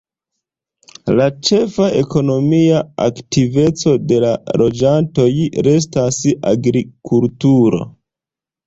La ĉefa ekonomia aktiveco de la loĝantoj restas agrikulturo.